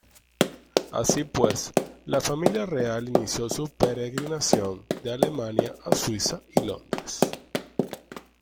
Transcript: Así pues, la Familia Real inició su peregrinación de Alemania a Suiza y Londres.